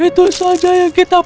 itu saja yang kita